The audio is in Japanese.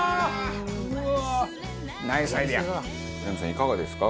いかがですか？